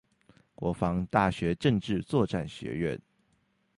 國防大學政治作戰學院